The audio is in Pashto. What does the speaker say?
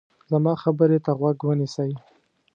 زما خبرې ته غوږ ونیسئ.